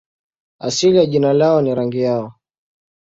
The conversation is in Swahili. Asili ya jina lao ni rangi yao.